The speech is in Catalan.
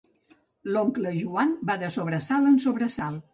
L'oncle Joan va de sobresalt en sobresalt.